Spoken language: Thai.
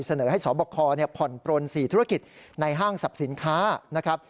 เสนอให้สบคผ่อนปลน๔ธุรกิจในห้างสรรพสินค้านะครับ